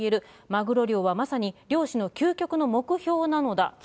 マグロ漁はまさに漁師の究極の目標なのだと。